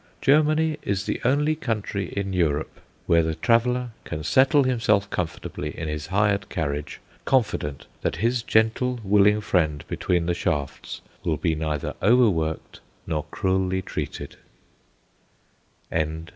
Germany is the only country in Europe where the traveller can settle himself comfortably in his hired carriage, confident that his gentle, willing friend between the shafts will be neither over worked nor cruelly treated.